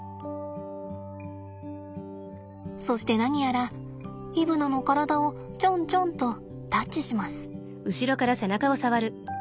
そして何やらイブナの体をチョンチョンとタッチします。